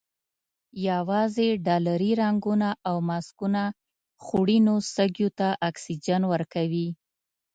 یوازې ډالري رنګونه او ماسکونه خوړینو سږیو ته اکسیجن ورکوي.